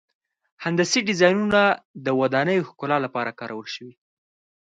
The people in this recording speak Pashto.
هندسي ډیزاینونه د ودانیو ښکلا لپاره کارول شوي.